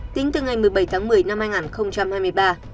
tính từ ngày một mươi bảy tháng một mươi năm hai nghìn hai mươi ba